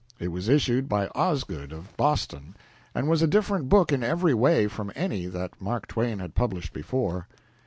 It was issued by Osgood, of Boston, and was a different book in every way from any that Mark Twain had published before.